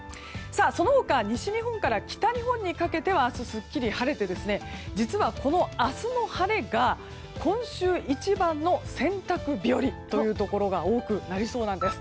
その他、西日本から北日本にかけては明日すっきり晴れて実はこの明日の晴れが今週一番の洗濯日和というところが多くなりそうなんです。